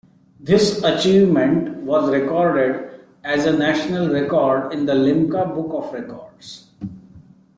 This achievement was recorded as a national record in the Limca Book of Records.